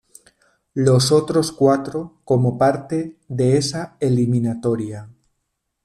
Los otros cuatro, como parte de esa eliminatoria.